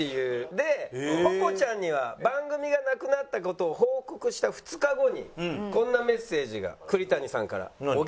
でぽぽちゃんには番組がなくなった事を報告した２日後にこんなメッセージが栗谷さんから。